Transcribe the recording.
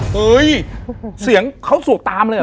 เฮ้ยเสียงเขาสูบตามเลยเห